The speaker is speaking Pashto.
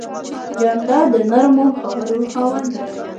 جانداد د نرمو خبرو خاوند دی.